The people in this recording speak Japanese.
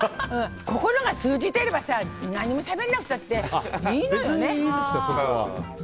心が通じてれば何にもしゃべらなくていいのよね。